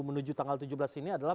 menuju tanggal tujuh belas ini adalah